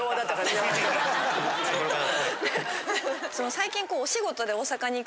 最近。